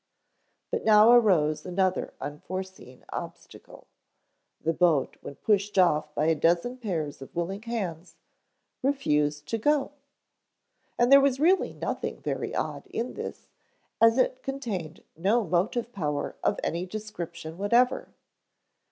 But now arose another unforeseen obstacle. The boat, when pushed off by a dozen pairs of willing hands, refused to go. And there was really nothing very odd in this, as it contained no motive power of any description whatever.